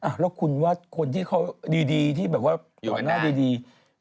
หรอคุณว่าคนที่เขาดีดีอยู่กันดี